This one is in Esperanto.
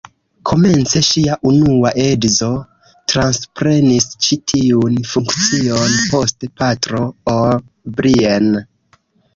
Komence ŝia unua edzo transprenis ĉi tiun funkcion, poste Patro O’Brien.